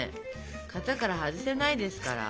型から外せないですから。